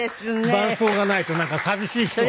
伴奏がないとなんか寂しい気も。